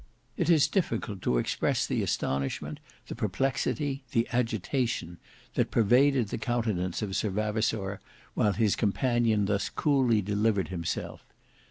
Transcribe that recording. It is difficult to express the astonishment, the perplexity, the agitation, that pervaded the countenance of Sir Vavasour while his companion thus coolly delivered himself.